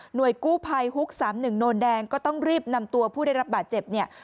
โดยกู้ภัยฮุก๓๑โนนแดงก็ต้องรีบนำตัวผู้ได้รับบาดเจ็บเนี่ย